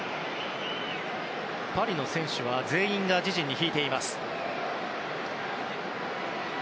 パリの選手は全員が自陣に引いています。